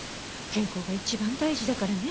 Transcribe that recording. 健康が一番大事だからね。